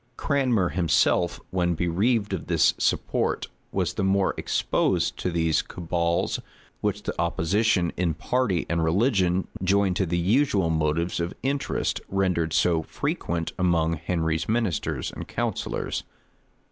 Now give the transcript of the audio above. [*]* Coke's Inst. cap. 99. Cranmer himself, when bereaved of this support, was the more exposed to those cabals of the courtiers, which the opposition in party and religion, joined to the usual motives of interest, rendered so frequent among Henry's ministers and counsellors.